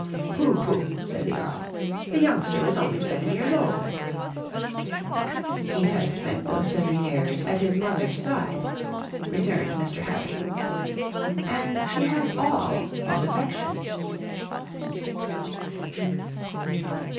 "Pooh, pooh!" said the Earl. "The youngster is only seven years old!" "He has spent those seven years at his mother's side," returned Mr. Havisham; "and she has all his affection."